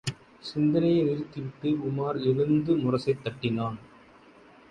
சிந்தனையை நிறுத்திவிட்டு, உமார் எழுந்து முரசைத் தட்டினான்.